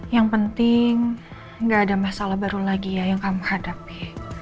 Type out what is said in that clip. yang penting gak ada masalah baru lagi ya yang kamu hadapi